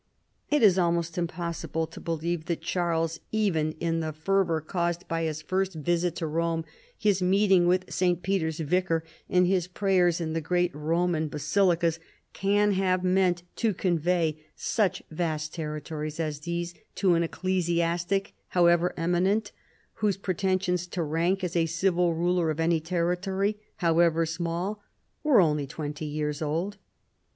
It is almost impossible to believe that Charles, 9 130 CHARLEMAGNE. even in the fervor caused by liis first visit to Rome, his meeting with St. Peter's vicar, and his prayers in the great Koman basilicas, can have meant to convey such vast territories as these to an ecclesias tic, however eminent, whose pretensions to rank as a civil ruler of any territory, however small, were only twenty years old.